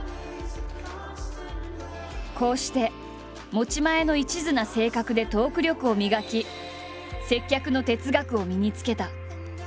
こうして持ち前のいちずな性格でトーク力を磨き接客の哲学を身につけた。